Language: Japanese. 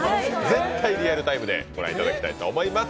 絶対リアルタイムでご覧いただきたいと思います。